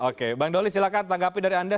oke bang doli silahkan tanggapi dari anda